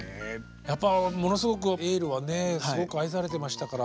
やっぱものすごく「エール」はねすごく愛されてましたから。